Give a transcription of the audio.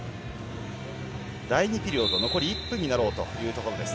第２ピリオド、残り１分になろうというところです。